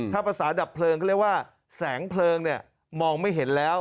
ถ้าประสาดดับเพลิงเลยว่าแสงเพลิงมองไม่เห็นแล้ว